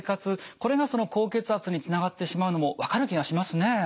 これが高血圧につながってしまうのも分かる気がしますね。